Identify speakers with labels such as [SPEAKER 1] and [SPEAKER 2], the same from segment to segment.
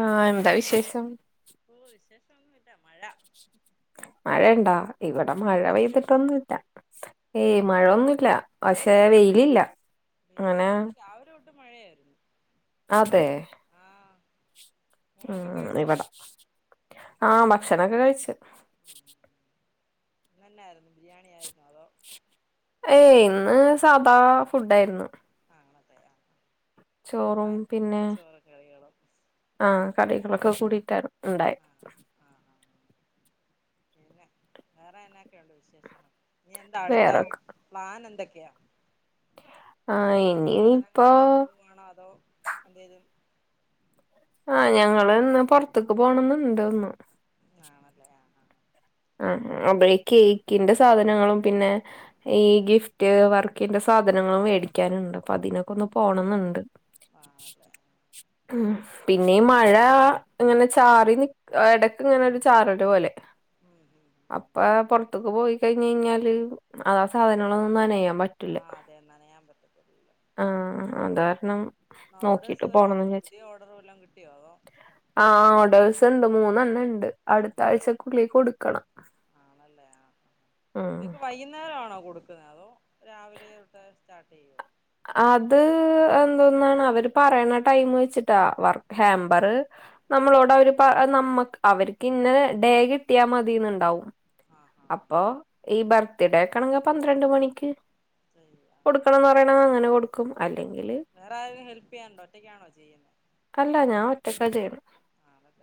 [SPEAKER 1] ആഹ് എന്താ വിശേഷം?
[SPEAKER 2] ഓ വിശേഷം ഒന്നുമില്ല മഴ
[SPEAKER 1] മഴ ഇണ്ടാ ഇവിടെ
[SPEAKER 2] ആഹ്
[SPEAKER 1] മഴ
[SPEAKER 2] അവിടെ മഴയുണ്ടോ
[SPEAKER 1] പെയ്തിട്ടൊന്നുമില്ല ഏയ് മഴൊന്നും ഇ [unintelligible] പക്ഷെ
[SPEAKER 2] ഇല്ലേ
[SPEAKER 1] വെയിലില്ല
[SPEAKER 2] വെയില്
[SPEAKER 1] അങ്ങനെ.
[SPEAKER 2] യ്യോ ഇവിടെ [unintelligible] മഴയായിരുന്നു
[SPEAKER 1] അതെ
[SPEAKER 2] ആഹ്
[SPEAKER 1] ആ
[SPEAKER 2] ഊണൊക്കെ
[SPEAKER 1] ആ
[SPEAKER 2] കഴിച്ചോ
[SPEAKER 1] ഇവിട ആ ഭ ക്ഷണം ഒക്കെ കഴിച്ചു
[SPEAKER 2] ഇന്ന് എന്നായിരുന്നു ബിരിയാണി ആയിരുന്നൊ അതോ
[SPEAKER 1] ഏയ് ഇന്ന് സാദാ ഫുഡ് ആയിരുന്നു.
[SPEAKER 2] ആഹ് അങ്ങനത്തെ ആഹ്
[SPEAKER 1] ചോറും
[SPEAKER 2] ആഹ്
[SPEAKER 1] പിന്നെ
[SPEAKER 2] ചോറും കറികളും
[SPEAKER 1] ആ കറികളൊ [unintelligible] കൂടിട്ടാണ്. ഉണ്ടായി
[SPEAKER 2] ആഹ് ആഹ് പിന്നെ വേറെ എന്നൊക്കെയ ഒണ്ട് വിശേഷം ഇനി എന്താ അടുത്ത
[SPEAKER 1] വേറെക്കെ
[SPEAKER 2] പ്ലാൻ എന്തൊ [unintelligible] പുതിയ
[SPEAKER 1] ആഹ് ഇനി ഇപ്പോ
[SPEAKER 2] പഠനങ്ങളിലേക്ക് പോവാണോ അതോ എന്തേലും
[SPEAKER 1] ആഹ് ഞങ്ങളിന്നു പൊറത്ത്ക്ക് പോണന്നുണ്ട്ന്ന്
[SPEAKER 2] ആണല്ലേ ആഹ് ആ
[SPEAKER 1] അപ്പ ഈ കേക്കിന്റെ സാധനങ്ങളും പിന്നെ ഈ ഗിഫ്റ്റ് വർക്കിന്റെ സാധനങ്ങളും മേടിക്കാനുണ്ട് അപ്പൊ അതിനൊക്കെ ഒന്ന് പോണംന്നുണ്ട്
[SPEAKER 2] ആ അതെ
[SPEAKER 1] ഉം പിന്നെ മഴ ഇങ്ങനെ ചാറി നിക്ക്‌ എടക്ക് ഇങ്ങനെ ഒരു ചാറരു പോലെ
[SPEAKER 2] ഉം ഉം ഉം ഉം.
[SPEAKER 1] അപ്പ പൊറത്ത്ക്ക് പോയി കഴിഞ്ഞു കഴിഞ്ഞാല് ആ സാധനങ്ങളും നനയും
[SPEAKER 2] ആഹ് അതെ നനയാൻ പറ്റത്തില്ലല്ലോ
[SPEAKER 1] ആ അത് കാരണം
[SPEAKER 2] ഓർഡേഴ്സ്
[SPEAKER 1] നോക്കിട്ട്
[SPEAKER 2] വല്ലോം
[SPEAKER 1] പോണം എന്നു
[SPEAKER 2] ഉണ്ടോ
[SPEAKER 1] വിചാരിച്ചു
[SPEAKER 2] പുതിയ ഓർഡർ വല്ലോം കിട്ടിയോ അതോ
[SPEAKER 1] ആ [unintelligible] ണ്ട് മൂന്നെണ്ണണ്ട് അടുത്ത ആഴ്ചക്കുള്ളി കൊടുക്കണം
[SPEAKER 2] ആണല്ലേ ആ
[SPEAKER 1] ഉം
[SPEAKER 2] ഇതൊക്കെ വൈകുന്നേരം ആണോ കൊടു അതോ രാവിലേ തൊട്ട് സ്റ്റാർട്ട് ചെയ്യോ
[SPEAKER 1] അത് എന്തോന്നാണ് അവര് പറയണ ടൈം വെച്ചിട്ട വർ ഹാമ്പർ നമ്മളോട് അവര് പ നമ്മക്ക് അവർക്കിന്ന ഡേ കിട്ടിയാ മതിന്നുണ്ടാവും
[SPEAKER 2] ആഹ് ആഹ്
[SPEAKER 1] അപ്പൊ
[SPEAKER 2] ആഹ്
[SPEAKER 1] ഈ ബർ [unintelligible] പന്ത്രണ്ട് മണിക്ക്
[SPEAKER 2] ചെയ്യാ അല്ലെ
[SPEAKER 1] കൊടുക്കണംന്ന് പറയ് ണെ അങ്ങനെ കൊട്ക്കും
[SPEAKER 2] കൊടുക്കും
[SPEAKER 1] അല്ലെങ്കിൽ
[SPEAKER 2] വേറെ ആരെലും ഹെൽപ്പ് ചെയ്യാനുണ്ടോ ഒറ്റയ്ക്കാണോ
[SPEAKER 1] അല്ല ഞാൻ ഒറ്റ ചെയ്യ്ണെ
[SPEAKER 2] ആളെ ത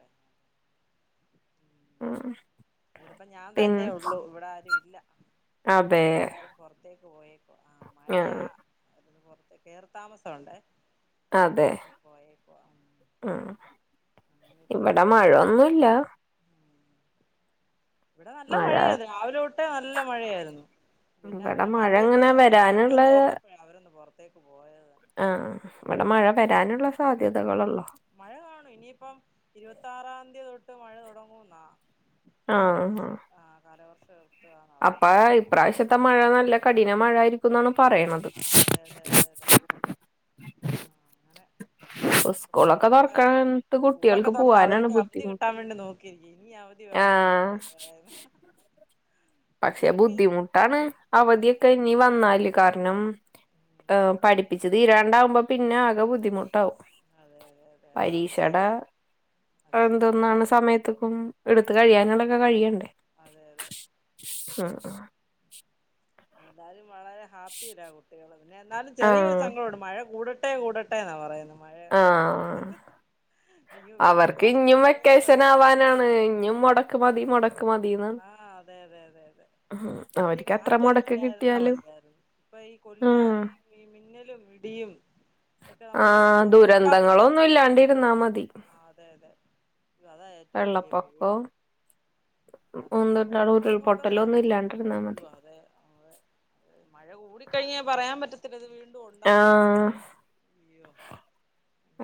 [SPEAKER 1] ഉം
[SPEAKER 2] ഇവിടെപ്പ ഞാൻ
[SPEAKER 1] പിൻ
[SPEAKER 2] തന്നെ ഒള്ളു ഇവിടെ ആരും ഇല്ല
[SPEAKER 1] അതെ
[SPEAKER 2] എല്ലാരും പൊറത്തേക്ക് പോയേക്കുവാ ആ മഴയാ
[SPEAKER 1] ആഹ്
[SPEAKER 2] പൊറത്ത് കേറി താമസം ഉണ്ടേ അപ്പ
[SPEAKER 1] അതെ
[SPEAKER 2] അങ്ങനെ പോയേക്കുവാ
[SPEAKER 1] മ്
[SPEAKER 2] അങ്ങനെ ഇരിക്കുന്നു
[SPEAKER 1] ഇവിടെ മഴൊന്നുയില്ല
[SPEAKER 2] ഇവിടെ നല്ല മഴയായിരുന്നു രാവിലെ തൊട്ടേ നല്ല മഴയായിരുന്നു പിന്നെ
[SPEAKER 1] ഇവിടെ
[SPEAKER 2] അവര് മഴ
[SPEAKER 1] ഇങ്ങനെ
[SPEAKER 2] ചെറുതായിട്ട്
[SPEAKER 1] വരാനുള്ള
[SPEAKER 2] ഒന്നു തോർന്നപ്പഴാ അവരൊന്ന് പൊറത്തേക്ക് പോയത് തന്നെ
[SPEAKER 1] സാധ്യതകളൊള്ളൂ
[SPEAKER 2] മഴ കാണും ഇനിയിപ്പം ഇരുപത്തി ആറാം തീയതി തൊട്ട് മഴ തൊടങ്ങൂന്നാ കാലവർഷം ആ കാലവർ
[SPEAKER 1] അപ്പഴ ഇപ്രാവശ്യത്തെ മഴ നല്ല കഠിന മഴായിരി
[SPEAKER 2] അത് ആ അതെ അതെ അതെ അതെ ആ അങ്ങനെ
[SPEAKER 1] സ്കൂളൊക്കെ
[SPEAKER 2] കുട്ടികളുടെ കാര്യം
[SPEAKER 1] തുറക്കാനത്ത്
[SPEAKER 2] സ്കൂളൊക്കെ
[SPEAKER 1] കുട്ടികൾക്ക്
[SPEAKER 2] തൊറന്നാ
[SPEAKER 1] പോവാനാണ്
[SPEAKER 2] അവരൊക്കെ അവധി
[SPEAKER 1] ബുദ്ധിമുട്ട്
[SPEAKER 2] കിട്ടാൻ വേണ്ടി നോക്കിയിരിക്കും ഇഞ് അവധി വേണോന്ന്
[SPEAKER 1] ആഹ്
[SPEAKER 2] പിള്ളേര് പറയ്ന്നേ
[SPEAKER 1] പക്ഷെ ബുദ്ധിമുട്ടാണ്
[SPEAKER 2] ആ
[SPEAKER 1] അവധിയൊക്കെ ഇനി വന്നാല് കാരണം ഏ
[SPEAKER 2] ഉം
[SPEAKER 1] പഠിപ്പിച്ച് തീരാണ്ടാവുമ്പോ പിന്നെ ആകെ ബുദ്ധിമു ട്ടാവും
[SPEAKER 2] അതെ അതെ അതെ അത്
[SPEAKER 1] പരീക്ഷെടെ
[SPEAKER 2] ശരിയാ അത് ശരിയാ
[SPEAKER 1] എന്തൊന്നാണ് സമയത്ത്ക്കും എടുത്ത് കഴിയാനുള്ള ഒക്കെ കഴിയണ്ടേ
[SPEAKER 2] അതെ അതെ
[SPEAKER 1] ആ
[SPEAKER 2] ഏതാലും വളരെ ഹാപ്പിലാ കുട്ടികൾ പിന്നെ എന്നാലും ചെറിയൊരു
[SPEAKER 1] ആഹ്
[SPEAKER 2] സംഘടം ഉണ്ട് മഴ കൂട് കൂടട്ടെ കൂടട്ടെ ന്നാ പറയുന്നേ
[SPEAKER 1] ആ
[SPEAKER 2] അയ്യോ വല്യ
[SPEAKER 1] അവർക്ക്
[SPEAKER 2] കാറ്റും
[SPEAKER 1] ഇഞ്ഞും
[SPEAKER 2] മഴയൊക്കെ
[SPEAKER 1] വെക്കേഷൻ ആവാനാണ് ഇഞ്ഞും മൊടക്ക് മതി മൊടക്ക്
[SPEAKER 2] ആ അതെ അതെ അതെ അതെ
[SPEAKER 1] ഉം
[SPEAKER 2] വല്യ
[SPEAKER 1] അവർക്ക് എത്ര
[SPEAKER 2] കാറ്റൊന്നും
[SPEAKER 1] മുടക്ക്
[SPEAKER 2] ഇല്ലായിരുന്നാ
[SPEAKER 1] കിട്ടിയാലും
[SPEAKER 2] മതിയായിരുന്നു ഇപ്പൊ ഈ കൊല്ലിയ
[SPEAKER 1] ആഹ്
[SPEAKER 2] ഈ ഈ മിന്നലും ഇടിയും ഇതൊക്കെ നമുക്ക്
[SPEAKER 1] ആഹ്
[SPEAKER 2] ഓർക്കപ്പുറത്ത് അല്ലേ
[SPEAKER 1] ദുരന്തങ്ങളൊന്നും
[SPEAKER 2] ആ
[SPEAKER 1] ഇല്ലാണ്ടിരുന്നാ മതി
[SPEAKER 2] ആ അതെ അതെ അതാ ഏറ്റവും വലിയ പേടി
[SPEAKER 1] വെള്ളപ്പൊക്കവും
[SPEAKER 2] അതെ
[SPEAKER 1] എന്തുട്ടാണ്
[SPEAKER 2] വെള്ളപ്പൊക്കൊക്കെ
[SPEAKER 1] ഉരുൾപൊട്ടലും
[SPEAKER 2] സോ
[SPEAKER 1] ഒന്നും ഇല്ലാണ്ടിരുന്നാ
[SPEAKER 2] അയ്യോ
[SPEAKER 1] മതി
[SPEAKER 2] അതെ അതെ മഴ കൂടിക്കഴിഞ്ഞാൽ പറയാൻ പറ്റത്തി [unintelligible]
[SPEAKER 1] ആഹ്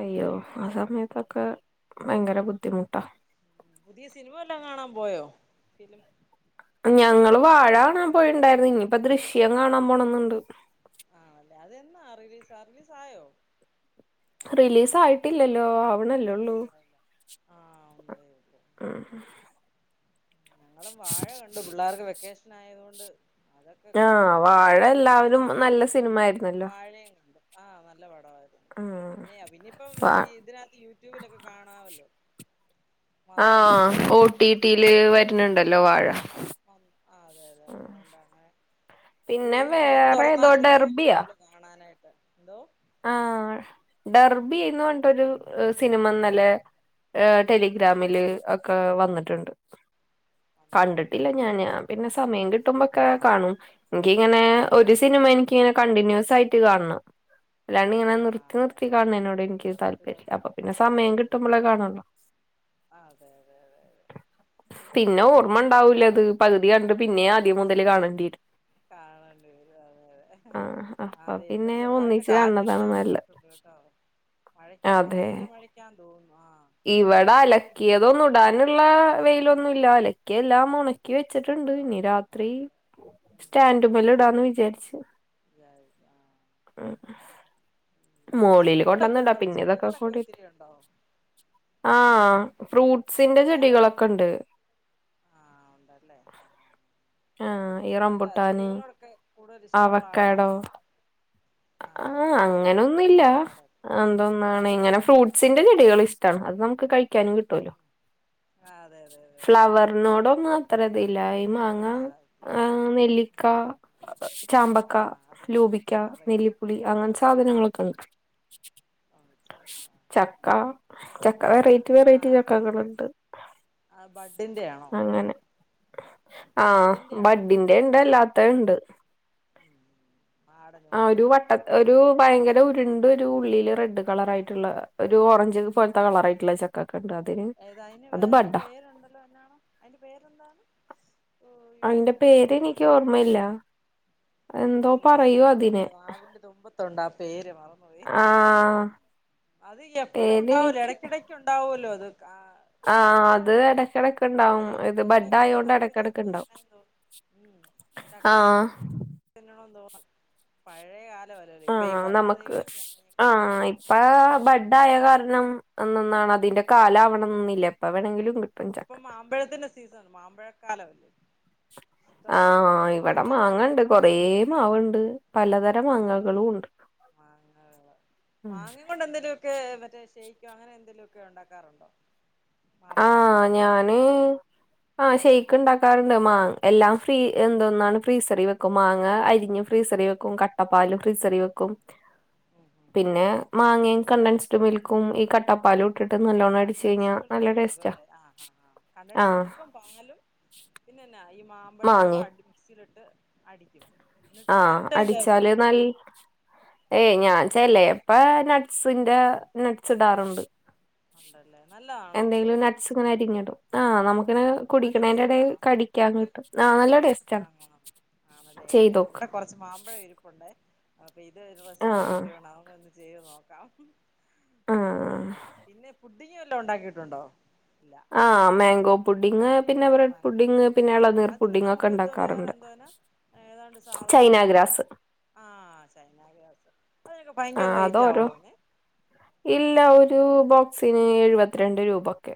[SPEAKER 1] അയ്യോ ആ സമയത്തൊക്കെ ഭയങ്കര ബുദ്ധിമുട്ടാ.
[SPEAKER 2] പുതിയ സിനിമ വല്ലോം കാണാൻ പോയോ ഫിലിം.
[SPEAKER 1] ഞങ്ങള് വാഴ കാണാൻ പോയിണ്ടായിരുന്നു ഇനിയിപ്പ ദൃശ്യം കാണാൻ പോണന്ന്ണ്ട്.
[SPEAKER 2] ആ അല്ലെ അതന്താ എന്നാ റിലീസാ റിലീസ് ആയോ
[SPEAKER 1] റിലീസ് ആയിട്ടില്ലല്ലോ ആ വ്ണല്ലോ. ള്ളൂ
[SPEAKER 2] ആഹ് ഒന്നതേ ഉള്ളൂ
[SPEAKER 1] ആ
[SPEAKER 2] ഞങ്ങളും വാഴ കണ്ടു പിള്ളേർക്ക് വെക്കേഷൻ ആയതോണ്ട്. അതൊക്കെ കണ്ടു
[SPEAKER 1] ആഹ്
[SPEAKER 2] രണ്ട്
[SPEAKER 1] വാഴ
[SPEAKER 2] പടം കണ്ടു
[SPEAKER 1] എല്ലാവരും
[SPEAKER 2] ദുരന്തവും
[SPEAKER 1] നല്ല
[SPEAKER 2] കണ്ടു
[SPEAKER 1] സിനിമ ആയിരുന്നല്ലോ
[SPEAKER 2] വാഴയും കണ്ടു ആ നല്ല.
[SPEAKER 1] ഉം
[SPEAKER 2] പിന്നെ ഇനിയിപ്പം
[SPEAKER 1] വാ
[SPEAKER 2] മറ്റ ഇതിനകത്ത് യൂട്യൂബിലൊക്കെ കാണാമല്ലോ.
[SPEAKER 1] ആ
[SPEAKER 2] വന്നല്ലോ ഒ ടി ടിയിലൊക്കെ വന്നു
[SPEAKER 1] ഓട്ടിട്ടീയില് വരണണ്ട്
[SPEAKER 2] ആ ആ അതെ അതെ
[SPEAKER 1] ഉം.
[SPEAKER 2] വേണ്ടാന്ന് എപ്പോഴും
[SPEAKER 1] പിന്നെ
[SPEAKER 2] ഈ ഫോൺ
[SPEAKER 1] വേറെ
[SPEAKER 2] തുറന്നാ
[SPEAKER 1] ഏതോ
[SPEAKER 2] ഇത് മാത്രമേ ഉള്ളൂ കാണാൻ നായിട്ട് എന്തോ.
[SPEAKER 1] ആ ഡർബി ചെയന്ന് ണ്ടൊരു സിനിമന്ന ലേ ഏ
[SPEAKER 2] ആ ആ
[SPEAKER 1] ടെലിഗ്രാമില് ഒക്കെ വന്നിട്ട്. ട്ട്ണ്ട്. കണ്ടിട്ടില്ല
[SPEAKER 2] വന്നാലുണ്ടല്ലേ
[SPEAKER 1] ഞാന്
[SPEAKER 2] ആ ആ
[SPEAKER 1] പിന്നെ സമയം കിട്ടുമ്പോക്കെ കാണും
[SPEAKER 2] ആ
[SPEAKER 1] എനിക്കിങ്ങനെ
[SPEAKER 2] അത്
[SPEAKER 1] ഒരു സിനിമ
[SPEAKER 2] കാണുമല്ലോ
[SPEAKER 1] എനിക്കിങ്ങനെ കണ്ടിന്യൂസ് ആ കാണണം. അല്ലാണ്ട്
[SPEAKER 2] ആ
[SPEAKER 1] ഇങ്ങനെ നിർത്തി നിർത്തി
[SPEAKER 2] അതെ അതെ
[SPEAKER 1] കാണേ എനിക്ക്
[SPEAKER 2] നിർത്തി
[SPEAKER 1] താല്പര്യയുല്യാ
[SPEAKER 2] നിർത്തി
[SPEAKER 1] അപ്പൊ പിന്നെ സമയം കിട്ടുമ്പളെ
[SPEAKER 2] താല്പര്യമില്ല
[SPEAKER 1] കാണൂളു
[SPEAKER 2] അതെ അതെ അതെ അതെ
[SPEAKER 1] പിന്നെ
[SPEAKER 2] അയ്യോ
[SPEAKER 1] ഓർമിണ്ടാവൂല അത് പകുതി കണ്ട്. പിന്നേം ആദ്യം
[SPEAKER 2] ആ
[SPEAKER 1] മുതൽ കാണേണ്ടേരും
[SPEAKER 2] കാണേണ്ടി വരും അതെ അതെ
[SPEAKER 1] ആഹ്
[SPEAKER 2] ആ
[SPEAKER 1] അപ്പ
[SPEAKER 2] അതെ ഇവിടെ
[SPEAKER 1] പിന്നെ
[SPEAKER 2] ചെറുതായിട്ട്
[SPEAKER 1] ഒന്നിച്ച്.
[SPEAKER 2] കാറ്റടിക്കാൻ
[SPEAKER 1] കാണതാണ് നല്ലത്
[SPEAKER 2] തുടങ്ങിയിട്ടുണ്ട് കേട്ടോ മഴക്കാന്ന് വല്യ മഴയ്ക്കാന്ന് തോന്നുന്നു ആഹ്.
[SPEAKER 1] ഇവടെ അലക്കിയതോന്നുടാനുള്ള വെ ഒന്നൂല്ലാന്ന് അലക്കി എല്ലാം ഒണ ക്കി വെച്ചിട്ട്ണ്ട് ഇനി
[SPEAKER 2] കണക്ക്
[SPEAKER 1] രാത്രി
[SPEAKER 2] ഉണ്ട്
[SPEAKER 1] സ്റ്റാൻഡുമേല് ഇടാന്ന് വി ച്ചെ
[SPEAKER 2] [unintelligible] ആഹ്
[SPEAKER 1] മോളിൽ കൊണ്ടന്ന്ടാ പിന്നതൊക്കെ
[SPEAKER 2] ചെടികളൊക്കെ
[SPEAKER 1] കൊണ്ടിട്ട്
[SPEAKER 2] ഒത്തിരി ഉണ്ടോ ഈ
[SPEAKER 1] ആഹ് ഫ്രൂട്ട്സിന്റെ
[SPEAKER 2] വേറെ എന്ത്-
[SPEAKER 1] ചെടികളൊക്കെണ്ട്
[SPEAKER 2] ആ ഉണ്ടല്ലേ ആ ആ
[SPEAKER 1] ആഹ് ഈ
[SPEAKER 2] നല്ല
[SPEAKER 1] റംബുട്ടാന്
[SPEAKER 2] ചെടികളോടൊക്കെ കൂടുതൽ ഇഷ്ട്ടൊള്ള ആളാണോ.
[SPEAKER 1] അവക്കാടോ
[SPEAKER 2] ആ
[SPEAKER 1] ആഹ് അങ്ങനൊന്നുല്ല
[SPEAKER 2] അവക്കാടോ
[SPEAKER 1] എന്തൊന്നാണ് ഇങ്ങനെ
[SPEAKER 2] ഉം
[SPEAKER 1] ഫ്രൂട്ട്സിന്റെ ചെടികള് അത് നമക്ക് കിട്ടല്ലോ
[SPEAKER 2] ഉം. ആ അതെ അതെ അതെ അതെ
[SPEAKER 1] ഫ്ലവറിനോടോ മാത്ര [unintelligible] മാങ്ങ
[SPEAKER 2] പാടില്ല
[SPEAKER 1] ആഹ് നെല്ലിക്ക, ചാമ്പക്ക,
[SPEAKER 2] ആ അതെ
[SPEAKER 1] ലൂബിക്ക
[SPEAKER 2] അതൊക്കെ
[SPEAKER 1] നെല്ലിപ്പുളി
[SPEAKER 2] ആ
[SPEAKER 1] അങ്ങനെ സാധനങ്ങളൊക്കെണ്ട്
[SPEAKER 2] ഓണച്ചെടി.
[SPEAKER 1] ചക്ക ചക്ക വെറൈറ്റി
[SPEAKER 2] ആ
[SPEAKER 1] വെറൈറ്റി
[SPEAKER 2] ആ
[SPEAKER 1] ചക്കകള്ണ്ട്.
[SPEAKER 2] ആ ബഡിന്റെ ആണോ
[SPEAKER 1] അങ്ങനെ ആഹ്
[SPEAKER 2] ബഡിന്റെ ആണോ
[SPEAKER 1] ബഡിന്റെണ്ട്
[SPEAKER 2] ബഡാ
[SPEAKER 1] അല്ലാത്തത്ണ്ട്.
[SPEAKER 2] ഉം ആടനും
[SPEAKER 1] ആഹ് ഒരു
[SPEAKER 2] ഉണ്ടല്ലേ
[SPEAKER 1] വട്ട ഒരു ഭയങ്കര ഉരുണ്ട് ഒരു ഉള്ളില് റെഡ് കളറായിട്ട്ള്ള ഒരു ഓറഞ്ച് പോലത്തെ കളറായിട്ട്ള്ള ചക്ക.
[SPEAKER 2] ഏതാ അതിന് വേറൊരു പേര്ണ്ടല്ലോ എന്നാണ് അയ്ന്റെ പേരെന്താണ് അയ്യോ
[SPEAKER 1] അയ്ന്റെ പേര് എനിക്ക് ഓർമ്മയില്ല എന്തോ
[SPEAKER 2] യ്യോ
[SPEAKER 1] പറയൂ
[SPEAKER 2] എന്നാണോ
[SPEAKER 1] അതിനെ
[SPEAKER 2] എന്റെ നാവിന്റെ തുമ്പത്തുണ്ട് ആ പേര് മറന്ന് പോയി
[SPEAKER 1] ആഹ്
[SPEAKER 2] അത് എപ്പഴും ഉണ്ടാവലോ
[SPEAKER 1] പേരെനിക്ക്
[SPEAKER 2] ഇടയ്ക്കിടയ്ക്ക് ഉണ്ടാവല്ലോ അത്
[SPEAKER 1] ആഹ്
[SPEAKER 2] കണ്ടിന്യൂസ്
[SPEAKER 1] അത്
[SPEAKER 2] ആയിട്ട് ഇങ്ങനെ
[SPEAKER 1] ഇടക്കിടക്കുണ്ടാവും
[SPEAKER 2] അല്ലേ
[SPEAKER 1] ഇത്
[SPEAKER 2] അതുകൊണ്ട്
[SPEAKER 1] ബഡ്ഡ്
[SPEAKER 2] എപ്പഴും
[SPEAKER 1] ആയോണ്ട്
[SPEAKER 2] നമുക്ക് ചക്ക
[SPEAKER 1] ഇടക്കിടക്കുണ്ടാവും
[SPEAKER 2] തിന്നാൻ തോന്നും ഉം ചക്ക
[SPEAKER 1] ആഹ്
[SPEAKER 2] പഴയ കാ
[SPEAKER 1] ആഹ് നമുക്ക് ആഹ് ഇപ്പ
[SPEAKER 2] അതെ
[SPEAKER 1] ബഡ്ഡ് ആയ കാരണം അതിന്റെ കാലം ആവണമെന്നില്ല എപ്പ വേണമെങ്കിലും
[SPEAKER 2] ഇപ്പൊ മാമ്പഴത്തിന്റെ സീസൺ മാം മ്പഴ ക്കാലം
[SPEAKER 1] ആഹ് ഇവിടെ
[SPEAKER 2] ഉണ്ടോ
[SPEAKER 1] മാങ്ങണ്ട് കൊറേ മാവുണ്ട് പലതരം
[SPEAKER 2] ആഹ്
[SPEAKER 1] മാങ്ങകളും ഉണ്ട്
[SPEAKER 2] മാങ്ങ വെള്ളം മാങ്ങ കൊണ്ട് എന്തേലുമൊക്കെ മറ്റേ ഷെയ്ക്കോ അങ്ങനെ എന്തേലുമൊക്കെ ഉണ്ടാക്കാറുണ്ടോ മാമ്പഴം
[SPEAKER 1] ആഹ്
[SPEAKER 2] കൊണ്ട്
[SPEAKER 1] ഞാന് ആഹ് ചെയ്യും ഉണ്ടാക്കാറുണ്ട് മാങ് എല്ലാം ഫ്രീ എന്തോന്നാ ഫ്രീസറിൽ വെക്കും മാങ്ങ അരിഞ്ഞ് ഫ്രീസറിൽ വെക്കും കട്ട പാല് ഫ്രീസറിൽ വെക്കും പിന്നെ മാങ്ങയും കണ്ടൻസ്ഡ് മിൽക്കും ഈ കട്ട പാലും ഇട്ട് നല്ലോണം അടിച്ച്
[SPEAKER 2] കണ്ടൻസ്ഡ്
[SPEAKER 1] കഴിഞ്ഞാൽ
[SPEAKER 2] കണ്ടൻസ്ഡ്
[SPEAKER 1] ആഹ്
[SPEAKER 2] മിൽക്കും പാലും പിന്നെന്നാ മാമ്പഴവും കൂടെ
[SPEAKER 1] മാങ്ങേ
[SPEAKER 2] അടിച് മിക്സിയിലിട്ട് അടിക്കും എന്നിട്ട്
[SPEAKER 1] ആഹ്
[SPEAKER 2] വേറെന്തേലും
[SPEAKER 1] അടിച്ചാല്
[SPEAKER 2] ചേർക്കണോ
[SPEAKER 1] നൽ [unintelligible] ഇപ്പൊ നട്ട്സിന്റെ നട്ട്സ് ഇടാറുണ്ട്
[SPEAKER 2] ഉണ്ടല്ലേ നല്ലതാണോ
[SPEAKER 1] എന്തെങ്കിലും നട്സ് ഇങ്ങനെ അരിഞ്ഞിടും ആഹ് നമുക്ക് അങ്ങനെ
[SPEAKER 2] നല്ല ടേസ്റ്റ്
[SPEAKER 1] കുടിക്കണേന്റെടേൽ
[SPEAKER 2] ആണോ
[SPEAKER 1] കടിക്കാൻ
[SPEAKER 2] നമുക്ക്
[SPEAKER 1] കിട്ടും ആഹ് നല്ല ടേസ്റ്റാണ്
[SPEAKER 2] ആണോ ആണല്ലേ
[SPEAKER 1] ചെയ്തോ
[SPEAKER 2] എനിക്കൊന്ന് ഇവിടെ കുറച്ച് മാമ്പഴം ഇരുപ്പുണ്ട് ഇപ്പോ ഒരു റെസിപ്പി
[SPEAKER 1] ആഹ് ആഹ്
[SPEAKER 2] കിട്ടിയോണ്ട് ചെയ്ത് നോക്കാം
[SPEAKER 1] ആഹ്
[SPEAKER 2] പിന്നെ പുഡിങ്ങ് വല്ലോം ഉണ്ടാക്കിയിട്ടുണ്ടോ ഇല്ല
[SPEAKER 1] ആഹ് മാങ്കോ പുഡിങ് പിന്നെ ബ്രെഡ് പുഡിങ് പിന്നെ ഇളനീർ
[SPEAKER 2] അതിന്
[SPEAKER 1] പുഡിങ് ഒക്കെ
[SPEAKER 2] നമുക്ക് എന്തോ വേറെ
[SPEAKER 1] ഉണ്ടാക്കാറുണ്ട്
[SPEAKER 2] എന്തോന്നാ ഏതാണ്ട് സാധനം
[SPEAKER 1] ചൈന
[SPEAKER 2] വേണല്ലോ
[SPEAKER 1] ഗ്രാസ്
[SPEAKER 2] ആഹ് ചൈന ഗ്രാസ് അതിനൊക്കെ ഭയങ്കര
[SPEAKER 1] ആഹ്
[SPEAKER 2] റേറ്റ്
[SPEAKER 1] അതോരോ
[SPEAKER 2] ആവോന്നെ
[SPEAKER 1] ഇല്ല ഒരു ബോക്സിന് എഴുപത്തിരണ്ട് രൂപ ഒക്കെ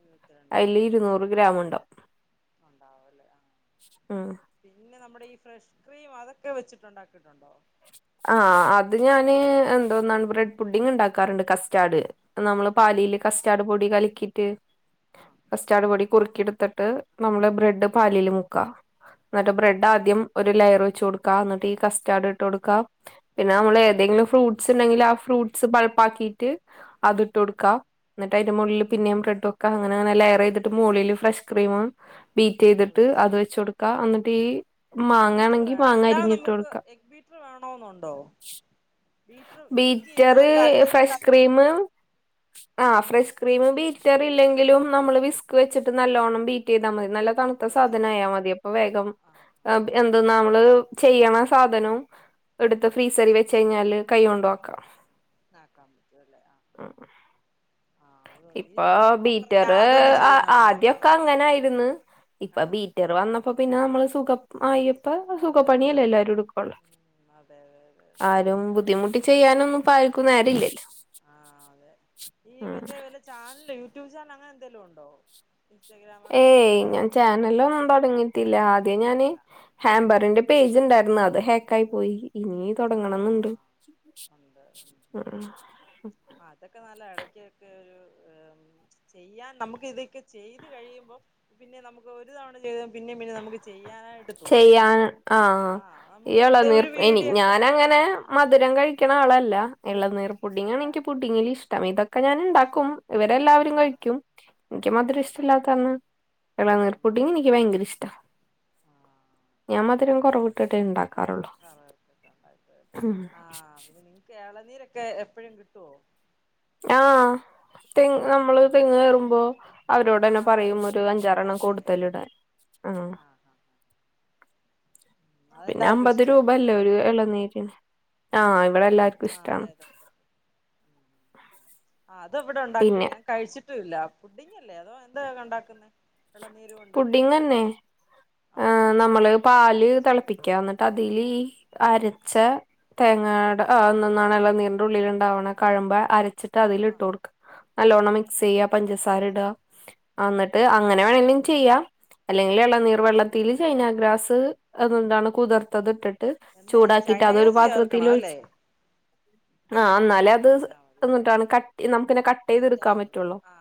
[SPEAKER 2] ഇരുപത്തിരണ്ട് രൂപ
[SPEAKER 1] അതില്
[SPEAKER 2] ആഹ്
[SPEAKER 1] ഇരുന്നൂറ് ഗ്രാമുണ്ടാവും
[SPEAKER 2] ഉണ്ടാവല്ലേ ആ
[SPEAKER 1] ഉം
[SPEAKER 2] പിന്നെ നമ്മുടെ ഈ ഫ്രഷ് ക്രീം അതൊക്കെ വെച്ചിട്ടുണ്ടാക്കീട്ടുണ്ടോ
[SPEAKER 1] ആ അത് ഞാന് എന്തോന്നാണ് ബ്രെഡ് പുഡിങ് ണ്ടാക്കാറ്ണ്ട് കസ്റ്റാഡ് നമ്മള്
[SPEAKER 2] ആഹ്
[SPEAKER 1] പാലില്
[SPEAKER 2] ആഹ്
[SPEAKER 1] കസ്റ്റാഡ് പൊടി കലക്കി റ്റ്
[SPEAKER 2] ആഹ്
[SPEAKER 1] കസ്റ്റാഡ് പൊടി കുർ ക്കിട്ത്ത്ട്ട് നമ്മള് ബ്രെഡ് പാലില് മുക്ക ന്നട്ട് ബ്രെഡ് ആദ്യം ഒര് രു ലയറ് വെച്ചൊട്ക്ക ന്നട്ടീ കസ്റ്റാർഡ് ഇട്ടൊട്ക പിന്നെ നമ്മള് ഏതെങ്കിലും ഫ്രൂട്ട്സ് ണ്ടെങ്കിൽ ആ ഫ്രൂട്ട്സ് പൾപ്പാക്കീറ്റ് അത് ഇട്ടൊട്ക്കാ ന്നിട്ട് അയ്ന്റെ
[SPEAKER 2] ആഹ്
[SPEAKER 1] മോളില് പിന്നേം ബ്രെഡ് വെക്ക അങ്ങനെ അങ്ങനെ ലെയർ എയ്തിട്ട് മോളില് ഫ്രഷ് ക്രീമും ബീറ്റ് എയ്ത്ട്ട് അത്
[SPEAKER 2] ഒഴിച്ചിട്ട്
[SPEAKER 1] വെച്ചൊടുക്ക അന്നട്ടീ
[SPEAKER 2] എഗ് ബീറ്റർ
[SPEAKER 1] മാങ്ങാണെങ്കി
[SPEAKER 2] വേണം
[SPEAKER 1] മാങ്ങ അരിഞ്ഞിട്ടൊട്ക്ക
[SPEAKER 2] ഒ
[SPEAKER 1] ബീറ്ററ് ഫ്രഷ്
[SPEAKER 2] അതുകൊണ്ട്
[SPEAKER 1] ക്രീമ് ആ
[SPEAKER 2] ഉം
[SPEAKER 1] ഫ്രഷ് ക്രീമ്
[SPEAKER 2] ബീറ്റ് ചെയ്യണം
[SPEAKER 1] ബീറ്റർ ഇല്ലെങ്കിലും നമ്മള് ബിസ് ക്ക് വച്ചിട്ട് നല്ലോണം ബീറ്റീതാ മതി നല്ല
[SPEAKER 2] ബീറ്റ്
[SPEAKER 1] തണുത്ത
[SPEAKER 2] ചെയ്തായിരുന്നു
[SPEAKER 1] സാധനായാ മതി അപ്പൊ വേഗം
[SPEAKER 2] ആഹ്
[SPEAKER 1] ആപ്
[SPEAKER 2] ആഹ് ആയിക്കോ
[SPEAKER 1] എന്ത്ന്ന അമ്മള് ചെയ്യണ ആധനം എടുത്ത്
[SPEAKER 2] ഉം
[SPEAKER 1] ഫ്രീസറിൽ വെച്ചെയ്ഞ്ഞ [unintelligible]
[SPEAKER 2] ആക്കാൻ പറ്റുവല്ലേ ആഹ്
[SPEAKER 1] എർ
[SPEAKER 2] ആഹ് അത് മതി
[SPEAKER 1] ഇപ്പൊ
[SPEAKER 2] ഈ ഈ പറഞ്ഞ
[SPEAKER 1] ബീറ്ററ്
[SPEAKER 2] അതൊന്ന്
[SPEAKER 1] ആ
[SPEAKER 2] ചെയ്ത് നോക്കണം
[SPEAKER 1] ആദ്യൊക്ക
[SPEAKER 2] മാങ്ങയും
[SPEAKER 1] അങ്ങനായിരുന്ന് ഇപ്പൊ
[SPEAKER 2] ആഹ്
[SPEAKER 1] ബീറ്ററ് വന്നപ്പോ പിന്നെ നമ്മള് സുഖ മായപ്പൊ
[SPEAKER 2] അതെ അതെ
[SPEAKER 1] സുഖപ്പണിയല്ലേ
[SPEAKER 2] അതെ
[SPEAKER 1] എല്ലാരും എടുക്കൊള്ളു
[SPEAKER 2] ഉം അതെ അതെ അതെ അതെ
[SPEAKER 1] ആരും വ് ചെയ്യാനും ഇപ്പോ ആർക്കും നേരാവില്ലല്ലോ
[SPEAKER 2] ആ അതെ ഈ മറ്റേ വല്ല ചാനല് ഉഷാൻ അങ്ങനെ എന്തെലു ഒണ്ടോ
[SPEAKER 1] ഏയ് ഞാൻ ചാനലും
[SPEAKER 2] ഇല്ല
[SPEAKER 1] തൊടങ്ങീട്ടില്ല ആദ്യം ഞാന്
[SPEAKER 2] ഇല്ല
[SPEAKER 1] ഹാമ്പറിന്റെ
[SPEAKER 2] ഉം
[SPEAKER 1] പേജ് ണ്ടായിരുന്നു അത് ഹാക്ക് [unintelligible] പോയി ഇനീ തൊടങ്ങണംന്ന്ണ്ട്
[SPEAKER 2] ആഹ് ഉണ്ട്
[SPEAKER 1] എർ
[SPEAKER 2] യൊക്കെ ഒരു ഏ ഉം ചെയ്യാൻ നമ്ക്കിതൊക്കെ ചെയ്ത് കഴിയുമ്പം പിന്നെ നമുക്ക് ഒരു തവണ ചെയ്ത പിന്നിം പിന്നിം നമ്മക്ക് ചെ
[SPEAKER 1] ചെയ്യാന് ആ ആ
[SPEAKER 2] ആഹ്
[SPEAKER 1] ഈ
[SPEAKER 2] നമുക്ക് എന്ത
[SPEAKER 1] എളനീർ
[SPEAKER 2] ഒരു
[SPEAKER 1] പ് ഇനി
[SPEAKER 2] വീഡിയോ ഒക്കെ
[SPEAKER 1] ഞാൻ ഞ
[SPEAKER 2] ആണല്ലോ
[SPEAKER 1] ങ്ങനെ
[SPEAKER 2] ഇട്ട് കഴിഞ്ഞ
[SPEAKER 1] മധുരം കഴിക്കണ ആളല്ല അ എളനീ
[SPEAKER 2] അല്ല
[SPEAKER 1] പുഡിങ്ങാണെൻക്ക് പുഡിങ്ങിലിഷ്ടം ഇതൊ ക്കെ ഞാന്ണ്ടാക്കും ഇവരെ എല്ലാവരും
[SPEAKER 2] ആഹ് ആഹ്
[SPEAKER 1] കഴിക്കും ഉം ത്ത്
[SPEAKER 2] കഴിക്കും
[SPEAKER 1] മധ്‌രഷ്ടല്ലാത്തന്ന് ഇളനീർ
[SPEAKER 2] ഉം
[SPEAKER 1] പുഡിങ് എനിക്ക് ഭയങ്കര ഇഷ്ട ഞാൻ മധുരം കൊറവട്ടിട്ടെ ഇണ്ടാക്ക
[SPEAKER 2] ലണ്ട
[SPEAKER 1] ഉം
[SPEAKER 2] ആ പിന്നെ ഇളനീർ ക്കെ എപ്പോഴും കിട്ടുവോ
[SPEAKER 1] ആഹ അഹ തെങ്ങ് നമ്മള് തെങ്ങ്
[SPEAKER 2] ആഹ്
[SPEAKER 1] കയറുമ്പോ അവരോട്ന്നെ
[SPEAKER 2] ആഹ്
[SPEAKER 1] പറയും
[SPEAKER 2] ഇട്
[SPEAKER 1] ഒരു അഞ്ചാറെ എണ്ണം കൂടുതൽ
[SPEAKER 2] പറയല്ലേ
[SPEAKER 1] ഇടാൻ ആ
[SPEAKER 2] ആഹ് ആഹ്
[SPEAKER 1] പിന്നെ
[SPEAKER 2] അതെല്ലാർക്കും
[SPEAKER 1] അമ്പത് രൂപ
[SPEAKER 2] ഇഷ്ടായിരിക്കും
[SPEAKER 1] അല്ലേ ഒരു ഇളനീരിന് ആ ഇവിടെ എല്ലാർക്കും
[SPEAKER 2] ആ അതെ
[SPEAKER 1] ഇഷ്ടാണ്
[SPEAKER 2] അതെ അതെ ആ അത്
[SPEAKER 1] പിന്നെ
[SPEAKER 2] ഇവിടെണ്ടാക്കിട്ടില്ല ഞാൻ കഴിച്ചിട്ടും ഇല്ല പുഡിങ് അല്ലേ അതോ എന്താ ഉണ്ടാക്കുന്നെ ഇളനീര് കൊണ്ട്
[SPEAKER 1] പുഡിങ് തന്നെ
[SPEAKER 2] ആ
[SPEAKER 1] ആഏ
[SPEAKER 2] പുഡിംഗ് തന്നെ
[SPEAKER 1] നമ്മള്
[SPEAKER 2] അത് ഞാൻ
[SPEAKER 1] പാല്
[SPEAKER 2] കഴിച്ചിട്ടില്ല
[SPEAKER 1] തിളപ്പിക്കുക എന്നിട്ട് അതില് അരച്ച തേങ്ങാട്
[SPEAKER 2] ഉം
[SPEAKER 1] ആന്നന്നാണല്ല ഇളനീർ ഉള്ളിലുണ്ടാവുന്ന കഴമ്പ് അര വെച്ചിട്ട് അതിൽ
[SPEAKER 2] ആ
[SPEAKER 1] ഇട്ട് കൊടുക്ക നല്ലോണ്ണം മിക്സ് ചെയ്യ പഞ്ചസാര ഇടുക എന്നിട്ട് അങ്ങനെ വേണെലും ചെയ്യാം അല്ലെങ്കിൽ
[SPEAKER 2] ഉം
[SPEAKER 1] ഇളനീർ വെള്ളത്തിൽ ചൈനഗ്രാസ്
[SPEAKER 2] ശരി
[SPEAKER 1] അതൊണ്ടാണ് കുതിർത്തത് ഇട്ടിട്ട്
[SPEAKER 2] എന്താ
[SPEAKER 1] ചൂടാക്കിട്ട്
[SPEAKER 2] ചൈന
[SPEAKER 1] അതൊരു
[SPEAKER 2] ഗ്രാസ്
[SPEAKER 1] പാത്രത്തിൽ
[SPEAKER 2] ചേർക്കണം അല്ലേ
[SPEAKER 1] ഒഴിച്ചു ആ എന്നാലേ അത്
[SPEAKER 2] ഒഴിച്ചാ മതി അല്ലേ
[SPEAKER 1] എന്നിട്ടാണ് ക നമുക്ക്ന്നെ കട്ട്
[SPEAKER 2] സെറ്റ്
[SPEAKER 1] ചെയ്തെടുക്കാൻ
[SPEAKER 2] ആവുള്ളൂ
[SPEAKER 1] പറ്റുള്ളോ
[SPEAKER 2] ആ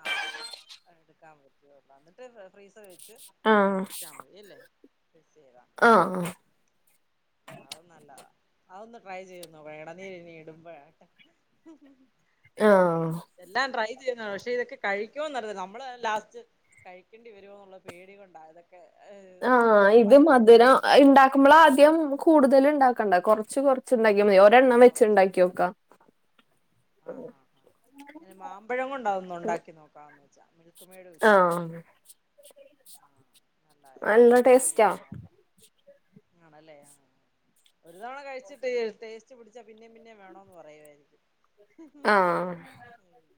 [SPEAKER 2] എടുക്കാൻ പറ്റുള്ളൂ എന്നിട്ട് ഫ്രീസർ വെച്ച്
[SPEAKER 1] ആഹ്
[SPEAKER 2] തണുപ്പിച്ചാൽ മതില്ലേ
[SPEAKER 1] ആഹ്
[SPEAKER 2] അത് നല്ലതാ അതൊന്ന് ട്രൈ ചെയ്യുന്നു അ ഇളനീര ഇനി ഇടുമ്പോട്ട ഉം ഹ
[SPEAKER 1] ആഹ്
[SPEAKER 2] എല്ലാം ട്രൈ പക്ഷെ ഇതൊക്കെ കഴിക്കോ എന്നറിയില്ല നമ്മള്തന്നെ ലാസ്റ്റ് കഴിക്കേണ്ടി വരുമോ എന്നുള്ള പേടിക കൊണ്ടാണ് ഇതൊക്കെ
[SPEAKER 1] ആഹ
[SPEAKER 2] ഫ്ലോപ്പ്
[SPEAKER 1] ഇത്
[SPEAKER 2] ആയി പോവോന്ന്
[SPEAKER 1] മധുരം
[SPEAKER 2] പേടിച്ച്
[SPEAKER 1] ഉണ്ടാക്കുമ്പോൾ ആദ്യം കൂടുതല ഉണ്ടാക്കണ്ട കുറച്ച് കുറച്ചുണ്ടാക്കി മതി ഒരെണ്ണം
[SPEAKER 2] കൊറ
[SPEAKER 1] വെച്ച് ഇണ്ടാക്കിയോക്കാ
[SPEAKER 2] ആ ഇങ്ങനെ മാമ്പഴം കൊണ്ട അതൊന്നും ഉണ്ടാക്കി നോക്കാംന്ന് ആ മിൽക്ക്മേട് വെച്ചിട്ട്
[SPEAKER 1] ആഹ്
[SPEAKER 2] നല്ലതായിരിക്കും
[SPEAKER 1] നല്ല
[SPEAKER 2] ട്രൈ
[SPEAKER 1] ടേസ്റ്റാ
[SPEAKER 2] ചെയ്ത് നോക്കാം ആണല്ലേ, ആ ഒരു തവണ കഴിച്ചിട്ട് ടേസ്റ്റ് പിടിച്ചാ പിന്നേം പിന്നേം വേണന്ന് പറയുവായിരിക്കും
[SPEAKER 1] ആഹ്
[SPEAKER 2] [unintelligible]